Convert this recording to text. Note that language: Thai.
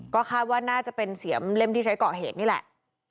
ก็คาดว่าน่าจะเป็นเสียมเล่มที่ใช้ก่อเหตุนี่แหละ